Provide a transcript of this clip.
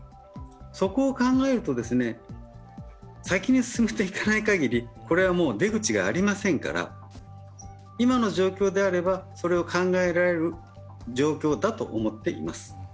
そこを考えると、先に進めていかないかぎり、これはもう出口がありませんから、今の状況であれば、それを考えられる状況だと思っています。